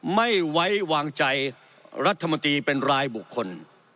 ไม่ไว้วางใจรัฐมนตรีเป็นรายบุคคล